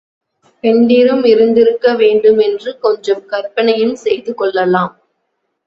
பெண்டிரும் இருந்திருக்க வேண்டும் என்று கொஞ்சம் கற்பனையும் செய்து கொள்ளலாம்.